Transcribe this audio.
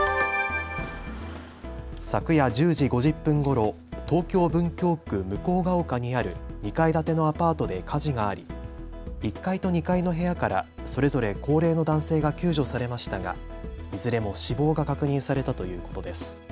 昨夜１０時５０分ごろ、東京文京区向丘にある２階建てのアパートで火事があり１階と２階の部屋からそれぞれ高齢の男性が救助されましたがいずれも死亡が確認されたということです。